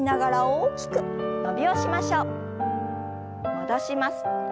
戻します。